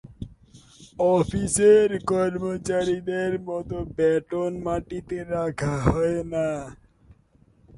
অফিসের কর্মচারীদের মতো ব্যাটন মাটিতে রাখা হয় না।